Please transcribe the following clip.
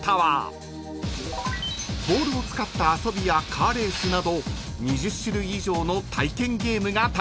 ［ボールを使った遊びやカーレースなど２０種類以上の体験ゲームが楽しめます］